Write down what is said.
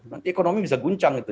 nanti ekonomi bisa guncang gitu